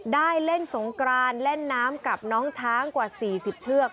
ได้เล่นสงกรานเล่นน้ำกับน้องช้างกว่า๔๐เชือก